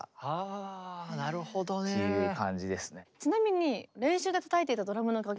あなるほどね。という感じですね。